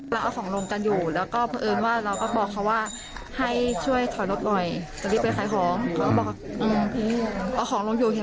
เบิ้ลรถใส่เพราะว่ามีรูปมีเสียงอยู่ครับ